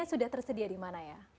sudah tersedia di mana ya